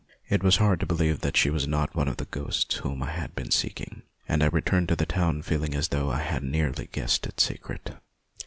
It was hard to believe that she was not one of the ghosts whom I had been seeking, and I returned 248 MONOLOGUES to the town feeling as though I had nearly guessed its secret.